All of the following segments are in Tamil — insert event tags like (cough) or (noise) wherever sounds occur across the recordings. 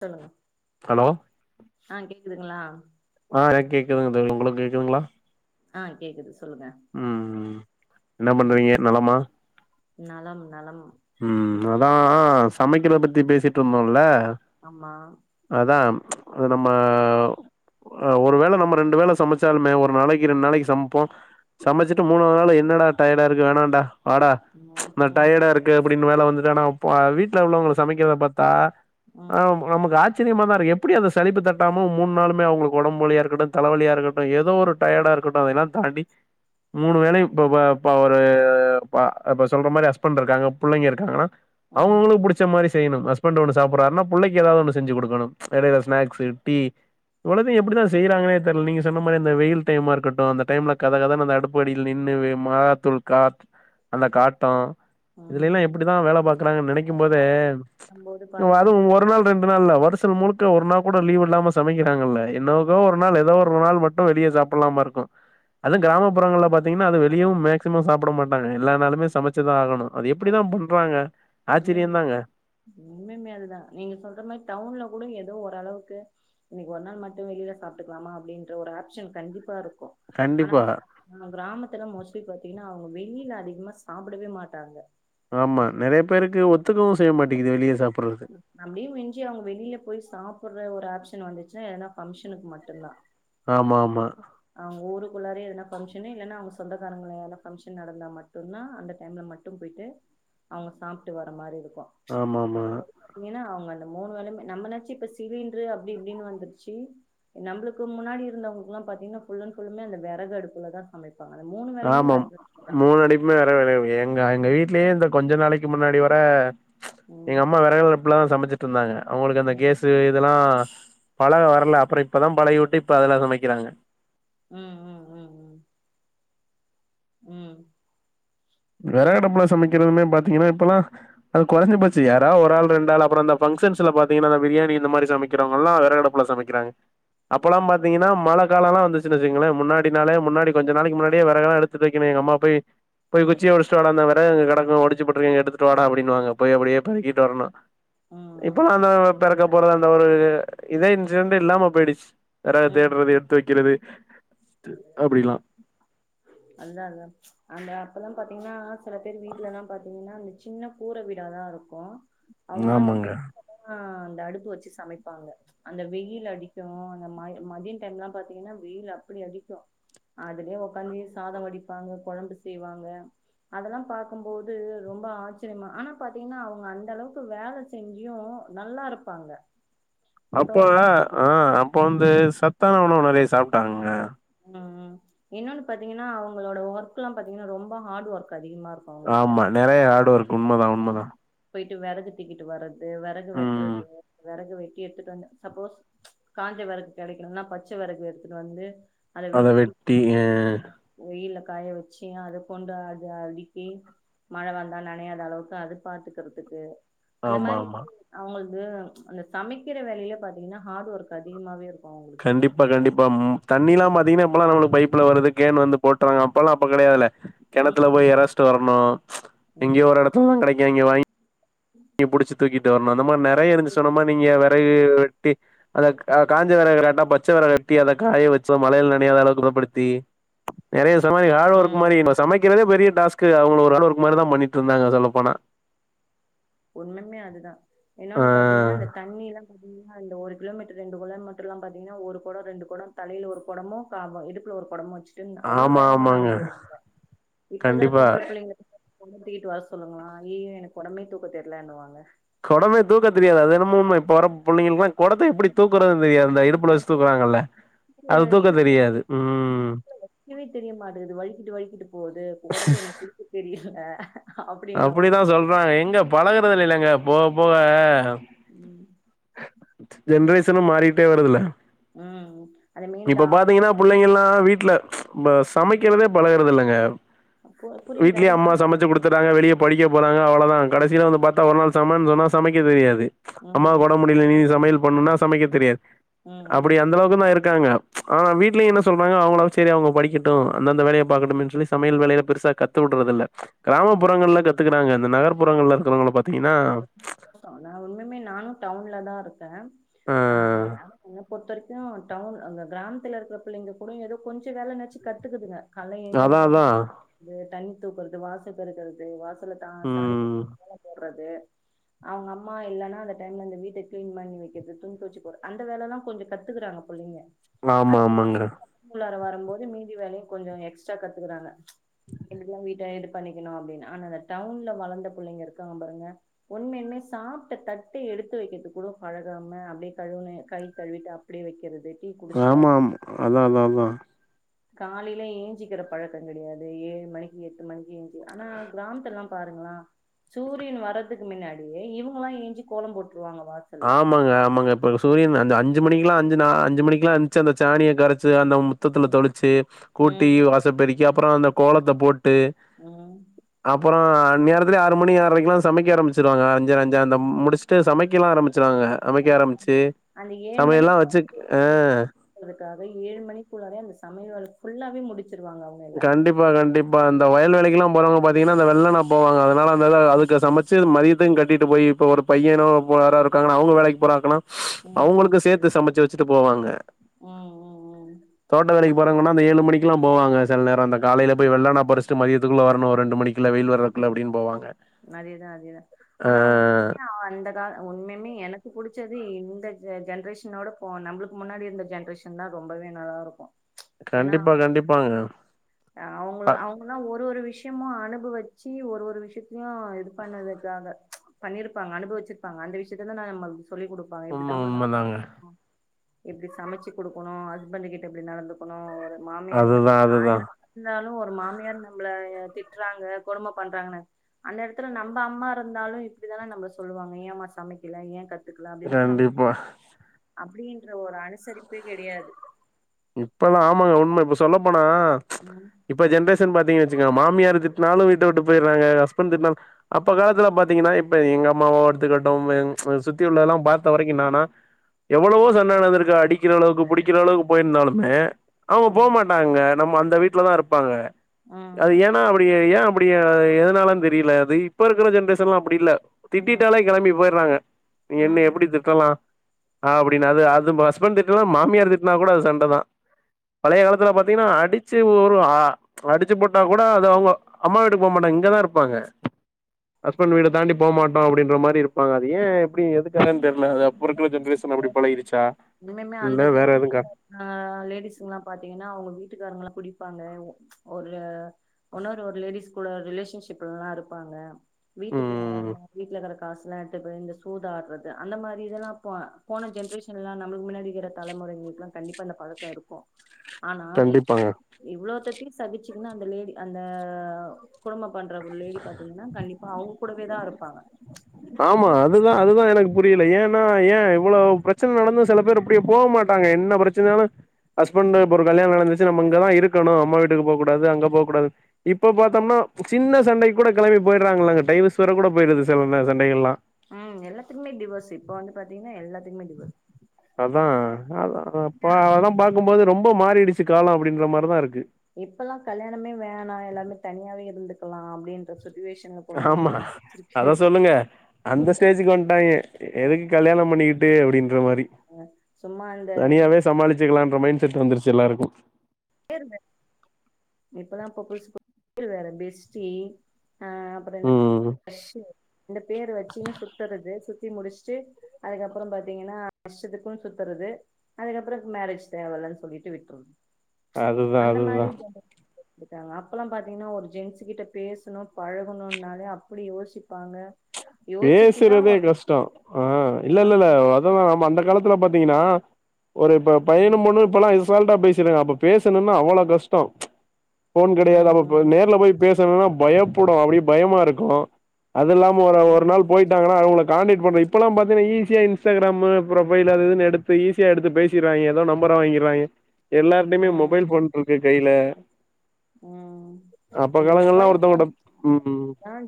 சொல்லுங்க ஹலோ ஆ கேக்குதுங்களா ஆ எனக் கேக்குதுங்க தோழி உங்களுக்கு கேக்குதுங்ளா ஆ கேக்குது சொ சொல்லுங்க என்ன ம் பண்றீங்க நலமா நலம் நலம் ம் அதா சமைக்கறத பத்தி பேசிட்டுருந்தோல்ல ஆம்மா அது நம்ம ஆ ஒரு வேள நம்ம ரெண்டு வேள சமச்சாலுமே ஒரு நாளைக்கி ரெண்டு நாளைக்கி சமப்போ சமச்சிட்டு மூணாவ்து நாள் என்னடா டயடா இருக்கு வேணான்டா வாடா ம் நா ம் டயடா இருக்கு அப்டின்னு வேல வந்துட்டு ஆனா வீட்ல உள்ளவுங்கள சமைக்கிறத பாத்தா ம் ஆ நமக்கு ஆச் ஆச்சரியமா தா இருக்கு எப்புடி அத சலிப்பு தட்டாம மூண் நாளுமே அவுங்களுக்கு ஒடம்பு வலியா இருக்கட்டு தலவலியா இருக்கட்டு ஏதோ ஒரு டயடா இருக்கட்டு அதயெல்லா தாண்டி மூணு வேளையு இப்பப்ப ப்ப ஒரு பா இப்ப சொல்ற மாரி ஹஸ்பண்ட் இருக்காங்க புள்ளைங்க இருக்காங்கனா ம் அவ்ங்கவுங்களுக்கு புடிச்ச மாரி செய்யினும் ஹஸ்பண்ட் ஒன்னு சாப்புறாருன்னா புள்ளைக்கி ஏதாவது ஒன்னு செஞ்சி குடுக்கணு எடையில ஸ்நாக்ஸு டீ இவ்ளத்தையு எப்டி தா செய்றாங்கனே தெர்ல நீங்க சொன்ன மாரி இந்த வெயில் டைமா இருக்கட்டு அந்த டைம்ல கத கதனு அந்த அடுப்படியில நின் னு வே மொளகாத்தூள் காட் அந்த காட்டோ இதுல எல்லா ம் எப்டிதா வேல பாக்குறாங்கனு நெனைக்கும் போதே போது பாத்தீங்க அதுவு ஒரு நாள் ரெண்டு அப்டிலா இல்ல வருஷல் முழுக்க ஒரு நாள் கூட லீவ் இல்லாம சமைக்கிறாங்கல்ல என்னகோ ஒரு நாள் எதோ ஒரு நாள் மட்டு வெளிய சா ப்பல்லாமா இருக்கு அது ம் கிராமப்புறங்கள்ல பாத்திங்னா அது வெளியவு மேக்சிமம் சாப்ட மாட்டாங்க எல்லா நாளுமே சமைச்சுதா ஆகணு அது எப்பிடிதா பண்றாங்க உண்மயால்மே உண்மயுமே அதுதா நீங்க சொல்ற மாரி டவுன்ல கூட எதோ ஓரளவுக் கு இன்னைக்கு ஒரு நாள் மட்டு வெளில சாப்ட்டுக்லாமா அப்டின்ற ஒரு ஆப்ஷன் கண்டிப்பா இருக் கு ஆனா கண்டிப்பா. அந்த கிராமத்துல மோஸ்ட்லி பாத்திங்னா அவுங்க வெளில அதிகமா சாப்டவே மாட்டாங்க ஆமா நறைய பேருக்கு ஒத்துக்கவு செய்ய மாட்டேங்கிது வெளிய சாப் அப்படியு மிஞ்சி அவுங்க வெளில போய் சாப்படுற ஒரு ஆப்ஷன் வந்துச் னா எதனா பங்க்ஷனுக்கு மட்டுந்தா ஆமாமா அவுங்க ஊருக்குள்ளாரயே எதனா பங்க்ஷனு இல்லேனா அவுங்க சொந்தக்காரங்கங்கள எதனா பங்க்ஷன் நடந்தா மட்டுந்தா அந்த டைம்ல மட்டும் போய்ட்டு அவுங்க சாப்ட்டு வர மாரி இருக்கு ஆமாமா. மத்தபடி பாத்திங்கனா அவுங்க அந்த மூணு வேளையுமே நம்மனாச்சி இப்ப சிலிண்ட்ரு அப்டி இப்டினு வந்துர்ச்சி நம்புளுக்கு முன்னாடி இருந்தவங்களுக்லா பாத்திங்னா ஃபுல் அண்ட் ஃபுல்லுமே அந்த வெறகடுப்புல தா சமைப் ஆமாம் மூணு அடிக்குமே வெற வே எங்க எங்க ம் வீட்லயே இந்த கொஞ்ச நாளைக் கு முன்னாடி வர ம் எங்கம்மா வெறகடுப்புலதா சமைச்சிட்ருந்தாங்க அவுங்ளுக்கு அந்த கேசு இதெலா பழக வரல அப்புற இப்பதா பழகி விட்டு இப்ப அதுல சமைக்கிறாங்க ம் ம் ம் ம் ம் வெறகடுப்புல சமைக்கிறதுமே பாத்திங்கனா இப்பெலா அது கொறஞ்சி போச்சு யாரா ஒரு ஆள் ரெண்டாள் அப்புற அந்த ஃபங் ஷன்ஸ்ல பாத்திங்கனா இந்த பிரியாணி இந்த மாரி சமைக்கிறவுங்கல்லா ம் வெறகடுப்புல சமைக்கிறாங் அப்பெலா பாத்திங்கனா மழ காலலா வந்துச்சுன் வெச்சுக்குங்ளே முன்னாடி நாளே முன்னாடி கொஞ்ச நாளைக்கு முன்னாடியே வெறகெல்லா எடுத்து வெக்கணு எங்க அம்மா போயி போய் குச்சிய ஒடிச்ட்டு வாடா அந்த வெறகு அங்க கெடக்கு ஒடிச்சி போட்ருக்கே எடுத்துட்டு வாடா அப்பிடின்னுவாங்க போய் அப்பிடியே பெரக்கிட்டு வரணு ம் இப்பலா அத பெரக்க போறது அந்த ஒரு இதே இன்சிடென்டே இல்லாம போயிடுச்சு வெறகு ம் தேடறது ம் எடுத்து வெக்கறது ம் அதா அதா அந்த அப்பலா பாத்திங்னா சில பேர் வீட்லலா பாத்திங்னா அந்த சின்ன கூர வீடாதா இருக்கு அவுங்கலா அந்த ஆமாங்க வீட்லதா அந்த அடுப்பு வச்சு சமைப்பாங்க அந்த வெயில் அடிக்கு அந்த ம மதிய டைம்லா பாத்திங்னா வெயில் அப்டி அடி க்கு அதுலயே ஒக்காந்து சாத வடிப்பாங்க கொழம்பு செய்வாங்க அதெல்லா பாக்கும்போது ரொம்ப ஆச்சரியமா ஆனா பாத்திங்னா அவுங்க அந்தளவுக்கு வேல செஞ்சு நல்லாருப்பாங்க அப்ப ஆ அப்ப வந்து சத்தான உணவு நறைய சாப்டாங்கங்க ம் இன்னொனு பாத்திங்கனா அவங்களோட ஒர்க்லா பாத்திங்னா ரொம்ப ஹார்ட் ஒர்க் அதிகமா இருக்கு அவங்கள்ட்ட ஆமா நெறைய ஹார்ட் ஒர்க் உண்மதா உண்மதா போய்ட்டு வெறகு தூக்கிட்டு வர்றது வெறகு ம். வெட்றது வெறகு வெ ங்க எடுத்துட்டு வந்து சப்போஸ் காஞ்ச வெறகு கெடைக்கலனா பச்ச வெறகு எடுத்துட்டு வந்து அத வெட்டி அ வெயில காய வச்சு அத கொண்டு அது அடுக்கி மழ வந்தா நனையாத அளவுக் கு அது பாத்துக்கறதுக்கு அந்த ஆமா, மாரி ஆமா. அவுங்ளுக் கு அந்த சமைக்கிற வேலயில பாத்திங்னா ஹார்ட் ஒர்க் அதிகமாவே இரு கண்டிப்பா கண்டிப்பா ம் தண்ணிலா பாத்திங்னா இப்பலா நம்மளுக்கு பைப் ல வருது கேன் வந்து போட்றாங்க அப்பல்லா அப்ப கெடையாதுல ம் கெணத்துல ம் போய் எரச்ட்டு வர்ணு எங்கயோ ம் ஒரு எடத்துலதா கெடைக்கு அங்க வாங் கி புடிச்சுட் டு தூக்கிட்டு வர்ணு அந்த மாரி நறைய இருந்து சொன்ன மார் நீங்க வெறகு வெட்டி அந்த கா காஞ்ச வரகு இல்லட்டா பச்ச வெ வெறக வெட்டி அத காய வச்சோம் மழயில நனையாத அளவு குணப்படுத்தி நெறைய மாரி ஹார்ட் ஒர்க் ம் மாரி ம் இப்ப சமைக்கிறதே பெரிய டாஸ்க் அவங்க ஒரு எரநூற்க் மேல தா பண்ணிட்டு இருந்தாங்க சொல்ல போன ஒன்னுமே அதுதா இன்னொன்னு பாத்தீங்கனா அந்த தண்ணில பாதிங்கனா அந்த ஒரு கிலோமீட்டர் ரெண்டு கிலோ மீட்டர் எல்லா பாத்தீங்கன்னா ஒரு குடம் ரெண்டு குடம் தலையில ஒரு குடமு இடுப்புல ஒரு குடமும் வச்சு அவ்ளோ ஆமா, வேகமா ஆமாங்க. நடந்து வருவாங்க இப்பக்குற கண்டிப்பா பொம்பள பிள்ளைங்க தூக்கிட்டு வர சொல்லுங்களே ஐய்யயோ எனக்கு கொடமே தூக்க தெரியலனுவாங்க கொடமே தூக்க தெரியாது அது என்னமோ உண்மை இப்ப வர புள்ளைங்களுக்ளா கொடத்தை எப்டி தூக்குறது தெரியாது அந்த இடுப்புல வச்சு தூக்குறாங்கல்ல அது தூக்க இடுப்பு தெரியாது. ம். வைக்கவே தெரிய மாட்டுக்குது வழிக்கிட்டு வழிக்கிட்டு போது கொடத்தை எனக்கு புடிக்க தெரியல அப்டின்னுவாங்க அப்டிதா சொல்றாங்க எங்க பழகுறது இல்லலங்க போக போக உம் ஜென்ரேஷனு மாரிட்டே வருதுல ம் அது மீண்டு ஆதா ல சமைக்கிறதே பழகறது இல்லங்க பு புரியுது வீட்லயு அதுதா அம்மா சமைச்சு கொடுத்துறாங்க வெளிய படிக்க போறாங்க அவ்ளோதா கடைசியில வந்து பாத்தா ஒரு நாள் சமன்னு சொன்னா சமைக்க தெரியாது அம்மா ம்ம் கொட முடியல நீ சமையல் பண்ணும்னா சமைக்க தெரியாது ம் அப்டி ம் அந்த அளவுக்கு தா இருக்கு காங்க வீட்லயு என்ன சொல்றாங்க அவங்கள சரி அவங்க படிக்கட்டும் அந்தந்த வேலய பாக்கட்டுமேனு சொல்லி சமையல் வேலைய பெருசா கத்து விடுறதில்ல ம் கிராமப்புறங்கள்ல கத்துக்கிறாங்க இந்த நகர்ப்புறங்கள்ல இருக்கிறவங்க பாத் ஒன்னுமே நானு டவுன்ல தா ருக்கே அ என்ன பொருத்த வரை க்கும் டவுன் அந்த கிராமத்துல இருக்கிற பிள்ளைங்க கூட ஏதோ கொஞ்ச வேலன்னாச்சு கத்துக்குதுங்க கால ஏஞ்சு அந்த அதான் பாச அதான். தண்ணி தூக்குறது வாச பெருக்கறது வாச சாணி ம். தெளிச்சி கோலம் போட்றது அவங்க அம்மா இல்லனா அந்த டைம்ல இந்த வீட்டை கிளீன் பண்ணி வைக்கிறது துணி துவச்சி போடுறது அந்த வேலலா கொஞ்ச கத்துக்குறாங்க பிள்ளைங்க ஆமா, ஆமாங்க. அதை வரும் போது மீதி வேலையு கொஞ்ச எக்ஸ்ட்ரா கத்துக்குறாங்க எங்கெல்லா வீட்ட இது பண்ணிக்கணும் அப்படின்னு ஆனா அந்த டவுன்ல வளந்த புள்ளைங்க இருக்காங்க பாருங்க உண்மையுமே சாப்ட்ட தட்ட எடுத்து வைக்கிறது கூட பழகாம அப்டியே கழுவு கை கழுவிட்டு அப்டி வைக்கிறது டீ குடிச்சுட்டா ஆமா ஆமா அதா அதா அதா காலையில ஏஞ்சிக்கிற பழக்கம் கெடயாது ஏழு மணிக்கு எட்டு மணிக்கு ஏஞ்சி ஆனா கிராமத்துல்லா பாருங்க சூரியன் வர்றதுக்கு மின்னாடியே இவங்கல்லா ஏஞ்சி கோலம் போட் ஆமாங்க ஆமாங்க இப்ப சூரியன் அந்த அஞ்சு மணிக்கலா அஞ்சு அஞ்சு மணிக்குலா எந்துச்சு அந்த சாணிய கரச்சு அந்த முத்தத்தில தொளிச்சு கூட்டி ம் வாசப்பெருக்கி அப்புற அந்த கோலத்தை போட் டு ம் அப் அப்புற அந்நேரத்துலே ஆறு மணி ஆறைக்குலா சமைக்க ஆரம்பிச்சிருவாங்க அஞ்சறை அஞ்சு அந்த முடிச்சுட்டு சமைக்கலா ஆரம் சிருவாங்க சமைக்க ஆ ஆரம்பிச்சு அந்த ஏழு சமையல்லா வச்சு ஆ ஆக ஏழு மணிக்குள்ளரை அந்த சமயல் வேல புல்லாவே முடித்து கண்டிப்பா கண்டிப்பா இந்த வயல் வேலக்குலா போறவங்க பாத்தீங்கனா அந்த வெள்ளனா போவாங்க அது அதனால அந்த ம் அதுக்கு சமச்சு மதியதுக்கு கட்டிட்டு போய் இப்ப ஒரு பையனு யாரோ இருக்காங்கா அவங்க வேலைக்கு போறாங்கனா ம் அவங்களுக்கு சேத்து சமச்சு வச்சுட்டு போவாங்க ம் ம்ம் ம்ம் போறங்கன்னா அந்த ஏழு மணிக்கெல்லா போவாங்க சில நேர அந்த காலயில போய் வெள்ளன பறிச்சிட்டு மதியத்துக்குள்ள வரனும் ரெண்டு மணிக்குள்ள வெயில் வரதுக்குள்ள அப்டின்னு போவாங்க அதேதா அதேதா ஆ ஆனா உண்மே அந்த கால உண்மயுமே எனக்கு புடிச்சது இந்த ஜென்ரேஷனோட போ நம்ளுக்கு முன்னாடி இருந்த ஜென்ரேஷன் தா ரொம்பவே நல்லாருக்கும் என்னா கண்டிப்பா, கண்டிப்பாங்க. அவங்க ப அவங்களா ஒரு ஒரு விஷ் கிமோ அனுபவிச்சு ஒரு ஒரு விஷயத் தியு இது பண்ணதுக்காக பண்ணிருப்பாங்க அனுபவிச்சிருப்பாங்க அந்த விஷயத்ததா நம்மல்கு சொல்லி்க் குடுப்பாங்க உண்ம, இப்டித்தான்மா நானு உண்மதாங்க. அ இப்டி சமைச்சு குடுக்கணு ஹஸ்பண்ட் கிட்ட இப்டி நடந்துக்கணு ஒரு மாமியார்னா அதுதான், ஆயிர அதுதான். இருந்தாலு ஒரு மாமியார் நம்ள திட்றாங்க கொடும பண்றாங்கனா அந்த எடத்ல நம்ம அம்மா இருந்தாலு இப்டித்தான நம்ள சொல்வாங்க ஏன்மா சமைக்கல ஏன் க கண்டிப்பா அப்டின்ற ஒரு அனுசரிப்பே கெடையாது இப்பலா ஆமாங்க உண்ம இப்ப சொல்ல போனா ம் இப்ப ஜென்ரேஷ் ன் பாத்தீங்கன் வச்சுக்கங் மாமியாரு திட்னாலு வீட்ட விட்டு போயிட்றாங்க ஹஸ்பண்ட் திட்னாலு அப்ப காலத்ல பாத்தீங்கன்னா இப்ப எங் க அம்மாவோ எடுத்துக்கட்டும் என் அ சுத்தி உள்ளதெல்லா பாத்த வரைக்கு என்னானா எவ்வளவோ சண்டா நடந்திருக்கு அடிக்கிற அளவுக்கு புடிக்கிற அளவுக்கு போயிருந்தாலுமே அவங்க ம் போமாட்டாங்க நம்ம அந்த வீடலதா இருப்பாங்க அது ம் ஏன்னா அப்டி ஏ அப்டி எதனாலனு தெரியில அது இப்ப இருக்ற ஜென்ரேஷன்லா அப்டி இல்ல ம் திட்டிடாலே கெளம்பி போயிட்றாங்க என்ன ம் எப்டி திட்டலா அப்டின்னு அது அது ஹஸ்பண்ட் திட்டலா மாமியார் திட்டனா கூட அது சண்டைதா பழைய காலத்துல பாத்தீங்கன்னா அடிச்சு ஒரு அ அடிச்சு போட்டா கூட அது அவங்க அம்மா வீட்டுக்கு போ மாட்டாங்க இங்கதா இருப்பாங்க ஹஸ்பண்ட் வீட தாண்டி போ மாட்டோ அப்டின்ற மாரி இருப்பாங்க அது ஏ எப்டி எதுக்காகன்னு தெரில அது அப்ப இருக ம் ஜென்ரேஷன் அப்டி பழகிடுச்சா இல்ல வேற எதுக்கா அ லேடிஸுல்லா பாத்தீங்கன்னா அவங்க வீட்டுக்காரங்கெலா குடிப்பாங்க ஒ ஒரு உன்னொரு ஒரு லேடிஸ் கூட ரிலேஷன்ஷிப்லல்லா இருப்பாங்க வீட்டுக்கு ம் வராம வீட்டுல இருக்க காசலா எடுத்துட்டு போய் இந்த சூதாட் றது அந்த மாரி இதல்லா போ போன ஜெனரேஷன்லா நம்முல்கு மின்னாடி இருக்கிற தலமுறைங்களுகெல்லா கண்டிப்பா அந்த பழக்கோ இருக் கு ஆனா இ கண்டிப்பாங்க இவ்ளோத்தத்தையு சகிச்சுகின் அந்த லேடி அந்த குடும்ப பண்ற ஒரு லேடி பாத்தீங்கன்னா கண்டிப்பா அவங்க கூடவே தா இருப்பாங்க ஆமா அதுதா அதுதா எனக் புரில ஏன்னா ஏ இவ்ளோ பிரச்சன நடந்து சில பேர் அப்டியே போ மாட்டாங்க என்ன பிரச்சனைனாலு ஹஸ்பண்ட் இப்ப ஒரு கல்யாணோ நடந்துச்சு நம்ம இங்கதா இருக்கணு அம்மா வீட்டுக்கு போ கூடாது அங்க போ கூடாது இப்போ பாத்தோம்னா சின்ன சண்டைக்கு கூட கெளம்பி போயிடுறாங்கலங்க டைவஸ் வர கூட போயிடுது சில சண்டைகல்லா ம் எல்லாத்துக்குமே டிவோஸ் இப்ப வந்து பாத்தீங்ன்னா எல்லாத்துக்குமே டிவஸ் அதா அதா இப்ப அதெல்லா பாக்கும்போது ரொம்ப மாறிடிச்சு காலோ அப்டின்ற மாரிதா இருக்கு இப்பல்லா கல்யாணமே வேணா எல்லார்மே தனியாவே இருந்துக்கலா அப்டின்ற சு ஆமா அத சொல்லுங்க அந்த ஸ்டேஜுக்கு வன்டாங்க எதுக்கு கல்யாணம் பண்ணிக்கிட் டே அப்டின்ற மாரி சும்மா அந்த தனியாவே சமாளிச்சுக்கலா ற மைண்ட் செட் வந்துருச்சு எல்லாருக்கு பேரு வேற இப்பல்லா புதுசு புது பேர் வேற பெஸ்டி ஆ அப்புற இந்த ம் க்ரஸு இந்த பேரு வச்சன்னு சுத்தறது சுத் தி முடிச்சுட்டு அதுக்கப்புறோ பாத்தீங்கன்னா இஷ்டத்துக்கு சுத்துறது அதுக்கப்றோ மேரேஜ் தேவ இல் லனு சொல்லிட்டு விட்றது அதுதா அதுதா ட்டுடகாங்க அப்பல்லா பாத்தீங்கன்னா ஒரு ஜென்ஸ் கிட்ட பேசணு பழகணுனாலே அப்டி யோசிப்பாங்க யோசிச்சுதா பேசுறதே ஒருத்த கஷ்டோ ஆ ஆ இல்லல்ல இல்ல அதெல்லா நம்ம அந்த காலத்துல பாத்தீங்கன்னா ஒரு இப்ப பையன்னு ம் பொண்ணு இப்பல்லா இஷ் அசால்ட்டா பேசிட்றாங்க அப்ப பேசுணும்னா அவ்ளோ கஷ்டோ ஃபோன் கெடையாது அப்ப ம் நேர்ல போய் பேஸ் சனுனா பயப்படு அப்டி பயமா இருக்கு அது இல்லாம ஒர ம் ஒர் ம் போயிட்டாங்கனா அவங்கள காண்டக்ட் பண்னு இப்பல்லா பாத்தீங்கன்னா ஈஸியா இன்ஸ்டாகிராமு ப்ரொபைலு அது இதுன்னு எடுத்து ஈஸியா எடுத்து பே பேசிறாய்ங்க ஏதோ நம்பர வாங்கிறாய்ங்க எல்லார்டையுமே ம் மொபைல் ஃபோன் இருக்கு கையில ம் அப்ப இந்த காலங்கள்லா மொபைல் ஃபோன் ஒருத்தவங்கட்ட ம் தான்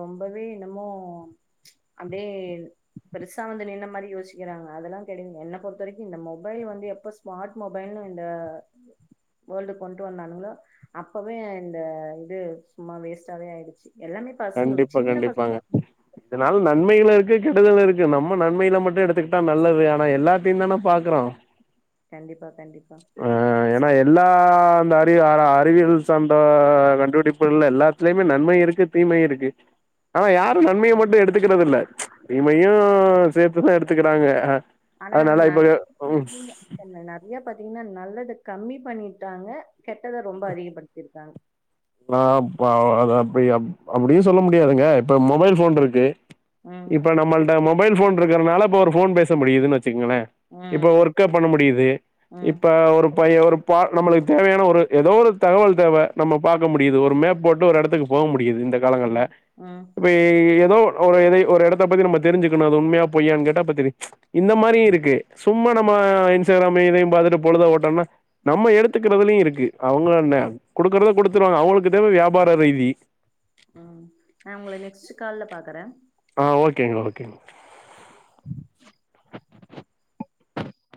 ரொம்பவே என்னமோ அப்டியே பெருசா வந்து நின்ன மாரி யோசிக்கிறாங்க அதெல்லா கெடைங்க என்ன பொறுத்த வரைக்கு இந்த மொபைல் வந்து எப்ப ஸ்மார்ட் மொபைல் இந்த வேர்ல்டு கொண்டு வந்தானுங்ளோ அப்பவே இந்த இது சும்மா வேஸ்டாவே ஆய்டுச்சு கண்டிப்பா கண்டிப்பாங்க இதுனால நன்மைகளு இருக் க்கு கெடுதலாருக்கு நம்ம நன்மைல மட்டு எடுத்துக்கிட்டா நல்லது ஆனா எல்லாத்தையு தான பாக்குறோ கண்டிப்பா கண்டிப்பா ஆ ச ஏன்னா எல்லா அறி அறிவியல் சாந்த கண்டுபிடிப்புகள் எல்லாத்திலயுமே நன்மை இருக்கு தீ்மை இருக்கு ஆனா யாரு ம் நன்மைய ம் மட்டு எடுத்துக்றது இல்ல தீமையு சேர்த்துதா எடுத்துக்கிறாங்க ஹ ஆனா (inaudible) நெறய பாத்தீங்கன்னா நல்லத கம்மி பண்ணிட்டாங்க கெட்டத ரொம்ப அதிகப்படுத்திருகாங்க ஆ அப் அ அப்டி அப்படியு சொல்ல முடியாதுங்க இப்ப மொபைல் போன் இருக்கு ம் இப்ப நம்மள்ட மொபைல் போன் இருக்கறனால இப்ப ஒரு போன் பேச முடியுதுனு வச் சுங்களே இப்ப ம் ஒர்க்க பண்ண முடியுது ம் இப்ப ஒரு ப்பயே ஒரு பா நம்ளுக்கு தேவையான ஒரு எதோ ஒரு தகவல் தேவ நம்ம பாக்க முடியுது ஒரு மேப் போட்டு ஒரு எடத்துக்கு போக முடியுது இந்த ம் காலங்கள்ல ம் ம் இப்பயி தோ ஒர் ஒரு எட ஒரு எடத்த பத்தி நம்ம தெரிஞ்சுக்கணு அது உண்மையா பொய்யானு கேட்ட அப்ப தெரியு இந்த மாரியு இருக்கு சும்மா மா நம்ம இன்ஸ்டாகிராம் இதயு பாத்துட்டு பொழுத ஓட்டோம்னா நம்ம எடுத்துக்கறதுலையு இருக்கு அவங்கள என்ன குடுக்குறத குடுத்துருவாங்க அவங்களுக்கு தேவ வியாபார ரீதி ம் நா உங்கள நெக்ஸ்ட் கால்ல பாக்குறே ஆ ஓகேங்க ஓகேங்க